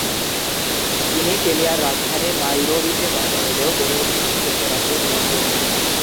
তিনি কেনিয়ার রাজধানী নাইরোবিতে জন্ম নিলেও বেড়ে উঠেছেন যুক্তরাজ্যের লন্ডনে।